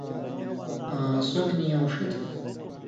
آں سو می نی اؤن٘ݜی تُھو۔